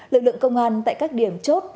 lực lượng công an tại các điểm chốt